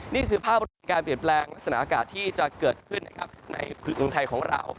นี่คือภาพบริการเปลี่ยนแปลงลักษณะอากาศที่จะเกิดขึ้นในปรุงไทยของเรา